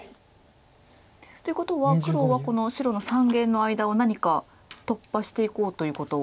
ということは黒はこの白の三間の間を何か突破していこうということ。